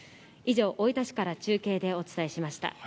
以上、大分市から中継でお伝えしました。